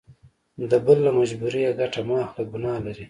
د بل له مجبوري ګټه مه اخله ګنا لري.